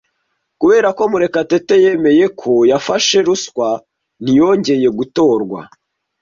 Kubera ko Murekatete yemeye ko yafashe ruswa, ntiyongeye gutorwa.